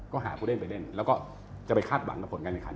ก็หาผู้เล่นไปเล่นแล้วก็จะไปคาดหวังกับผลการแข่งขัน